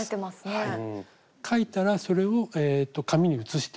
はい。